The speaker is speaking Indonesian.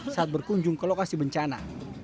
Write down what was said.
saat berkunjung ke lokasi bencana